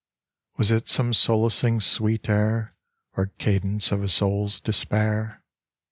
Was it some solacing sweet air, Or cadence of a soul's despair?